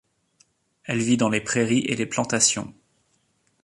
Elle vit dans les prairies et les plantations.